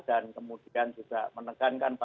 dan kemudian juga menekankan